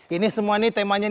ini semuanya temanya